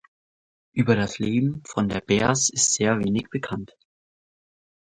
Über das Leben von der Behrs ist sehr wenig bekannt.